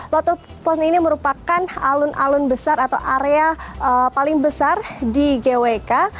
lotopon ini merupakan alun alun besar atau area paling besar di gwk